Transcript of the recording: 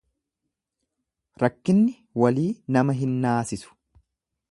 Rakkinni walii nama hin naasisu.